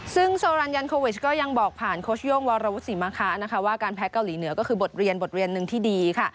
ซึ่งโซรันยันโควิชก็ยังบอกผ่านโคชย่งวรวศิมคาว่าการแพลกเกาหลีเหนือก็คือบทเรียนหนึ่งที่ดีค่ะ